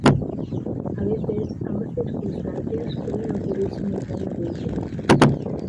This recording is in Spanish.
A veces, ambas circunstancias pueden ocurrir simultáneamente.